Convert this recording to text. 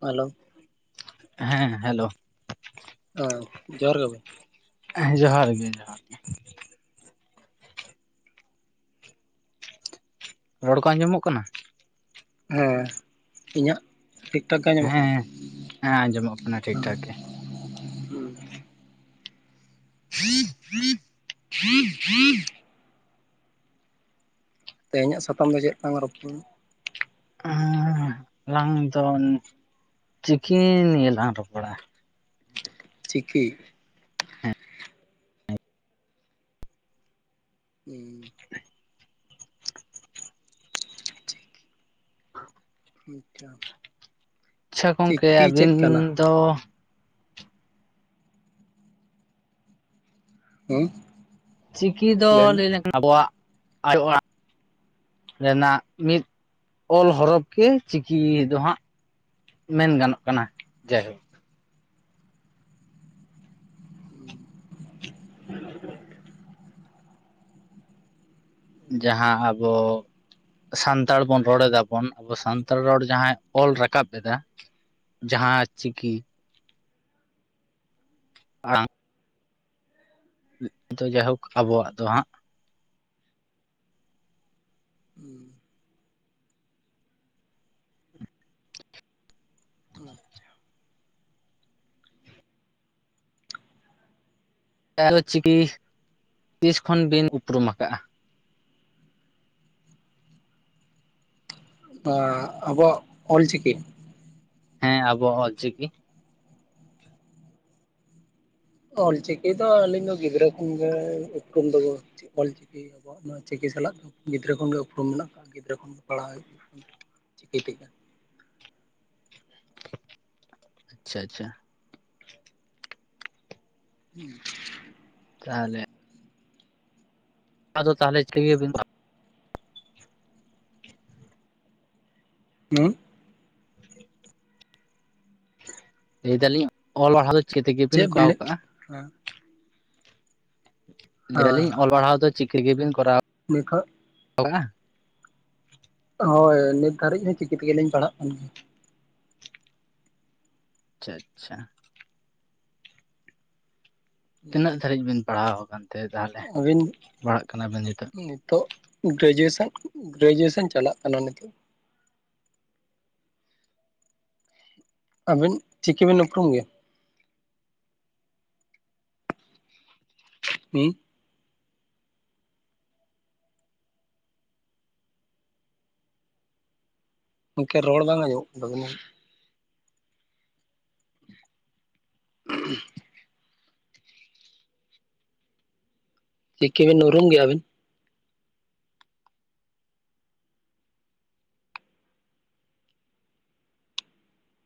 Hello. ᱦᱮᱸ hello. ᱚ ᱡᱚᱦᱟᱨ ᱜᱮ ᱦᱮᱸ ᱡᱚᱦᱟᱨ ᱜᱮ ᱡᱚᱦᱟᱨ ᱜᱮ ᱾ ᱨᱚᱲ ᱠᱚ ᱟᱸᱡᱚᱢᱚᱜ ᱠᱟᱱᱟ? ᱦᱮᱸ, ᱤᱧᱟᱹᱜ? ᱴᱷᱤᱠ ᱴᱷᱟᱠ ᱜᱮ ᱟᱸᱡᱚᱢᱚᱜ ᱠᱟᱱᱟ? ᱦᱮᱸ ᱦᱮᱸ ᱟᱸᱡᱚᱢᱚᱜ ᱠᱟᱱᱟ ᱴᱷᱤᱠ ᱴᱷᱟᱠ ᱜᱮ ᱾ ᱦ [inaudible] ᱦᱩᱸ ᱦᱩᱸ ᱛᱮᱦᱮᱧᱟᱹᱜ ᱥᱟᱛᱟᱢ ᱫᱚ ᱪᱮᱫ ᱞᱟᱝ ᱨᱚᱯᱩᱲᱼᱟ? ᱦᱮᱸ ᱟᱞᱟᱝ ᱫᱚ ᱪᱤᱠᱤ ᱱᱤᱭᱟᱹ ᱜᱮ ᱞᱟᱝ ᱨᱚᱯᱚᱲᱟ ᱾ ᱪᱤᱠᱤ? ᱦᱩᱸ᱾ ᱪᱤᱠᱤ ᱟᱪᱪᱷᱟ᱾ ᱟᱪᱪᱷᱟ ᱜᱚᱝᱠᱮ ᱪᱤᱠᱤ ᱪᱮᱫ ᱟᱹᱵᱤᱱ ᱠᱟᱱᱟ ᱫᱚ [inaudible] ᱪᱤᱠᱤ ᱫᱚ ᱞᱟᱹᱭ ᱞᱮᱱ ᱠᱟᱱᱟ ᱟᱵᱚᱣᱟᱜ ᱟᱭᱳ ᱚᱲᱟᱜ ᱾ ᱨᱮᱱᱟᱜ ᱢᱤᱫ ᱚᱞ ᱦᱚᱨᱚᱯ ᱜᱮ ᱪᱤᱠᱤ ᱫᱚ ᱦᱟᱸᱜ ᱢᱮᱱ ᱜᱟᱱᱚᱜ ᱠᱟᱱᱟ ᱡᱟᱭᱦᱳᱠ᱾ ᱡᱟᱦᱟᱸ ᱟᱵᱚ ᱥᱟᱱᱛᱟᱲ ᱵᱚᱱ ᱨᱚᱲ ᱮᱫᱟᱵᱚᱱ ᱟᱵᱚ ᱥᱟᱱᱛᱟᱲ ᱨᱚᱲ ᱡᱟᱦᱟᱸᱟᱭ ᱚᱞ ᱨᱟᱠᱟᱵ ᱮᱫᱟ ᱡᱟᱦᱟᱸ ᱪᱤᱠᱤ ᱟᱲᱟᱝ ᱫᱚ ᱡᱟᱭᱦᱳᱠ ᱟᱵᱚᱣᱟᱜ ᱫᱚ ᱦᱟᱸᱜ ᱩᱸ᱾ ᱟᱪᱪᱷᱟ᱾ ᱮᱞ ᱪᱤᱠᱤ ᱛᱤᱥ ᱠᱷᱚᱱ ᱵᱤᱱ ᱩᱯᱨᱩᱢ ᱟᱠᱟᱜᱼᱟ? ᱟ ᱟᱵᱚᱣᱟᱜ ᱚᱞᱪᱤᱠᱤ? ᱦᱮᱸ ᱟᱵᱚᱣᱟᱜ ᱚᱞᱪᱤᱠᱤ ᱾ ᱚᱞᱪᱤᱠᱤ ᱫᱚ ᱟᱹᱞᱤᱧ ᱫᱚ ᱜᱤᱫᱽᱨᱟᱹ ᱠᱷᱚᱱᱜᱮ ᱩᱯᱨᱩᱢ ᱫᱚᱵᱚ ᱚᱞᱪᱤᱠᱤ ᱟᱵᱚᱣᱟᱜ ᱱᱚᱣᱟ ᱪᱤᱠᱤ ᱥᱟᱞᱟᱜ ᱫᱚ ᱜᱤᱫᱽᱨᱟᱹ ᱠᱷᱚᱱᱜ ᱜᱮ ᱩᱯᱨᱩᱢ ᱢᱮᱱᱟᱜ ᱠᱟᱜᱼᱟ, ᱜᱤᱫᱽᱨᱟᱹ ᱠᱷᱚᱱ ᱯᱟᱲᱦᱟᱣ ᱪᱤᱠᱤ ᱛᱮᱜᱮ᱾ ᱟᱪᱪᱷᱟ ᱟᱷᱟ ᱦᱩᱸ ᱛᱟᱦᱞᱮ ᱟᱫᱚ ᱛᱟᱦᱞᱮ ᱪᱤᱠᱟᱹ ᱜᱮᱭᱟ ᱵᱤᱱ? [unintelligible] ᱞᱟᱹᱭ ᱫᱟᱞᱤᱧ ᱚᱞ ᱲᱦᱟᱣ ᱫᱚ ᱪᱤᱠᱤ ᱛᱮᱜᱮᱵᱤᱱ ᱠᱚᱨᱟᱣ ᱠᱟᱜ-ᱟ? ᱦᱟᱸ ᱞᱟᱹᱭ ᱫᱹᱟᱞᱤᱧ ᱚᱞ ᱯᱟᱲᱦᱟᱣ ᱫᱚ ᱪᱤᱠᱟᱹᱛᱮᱵᱤᱱ ᱠᱚᱨᱟᱣ? ᱱᱮᱠᱷᱟ ᱟᱵᱚ ᱢᱟ ᱦᱳᱭ ᱱᱤᱛ ᱫᱷᱟᱹᱨᱤᱡ ᱦᱚᱸ ᱪᱤᱠᱤ ᱛᱮᱜᱮᱞᱤᱧ ᱯᱟᱲᱦᱟᱜ ᱠᱟᱱ ᱜᱮᱭᱟ᱾ ᱪᱷᱟ ᱟᱪᱷᱟ ᱜᱮᱭᱟ ᱛᱤᱱᱟᱹᱜ ᱫᱷᱟᱹᱨᱤᱡ ᱵᱤᱱ ᱯᱟᱲᱦᱟᱣ ᱟᱠᱟᱱᱛᱮ ᱛᱟᱦᱚᱞᱮ ᱯᱟᱲᱦᱟᱜ ᱠᱟᱱᱟᱵᱤᱱ ᱱᱤᱛᱳᱜ? ᱱᱤᱛᱳᱜ ᱜᱨᱮᱡᱩᱭᱮᱥᱚᱱ ᱜᱨᱮᱡᱩᱭᱮᱥᱮᱱ ᱪᱟᱞᱟᱜ ᱠᱟᱱᱟ ᱱᱤᱛᱳᱜ᱾ ᱟᱵᱤᱱ ᱪᱤᱠᱤᱵᱤᱱ ᱩᱯᱨᱩᱢ ᱜᱮᱭᱟ? ᱦᱩᱸ ᱜᱚᱝᱠᱮ ᱨᱚᱲ ᱵᱟᱝ ᱟᱡᱚᱢᱚᱜ ᱠᱟᱱ ᱛᱟᱵᱤᱱᱟ [inaudible] ᱪᱤᱠᱤ ᱵᱤᱱ ᱩᱨᱩᱢ ᱜᱮᱭᱟ ᱟᱹᱵᱤᱱ?